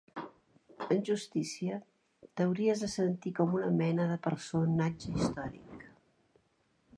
En justícia, t'hauries de sentir com una mena de personatge històric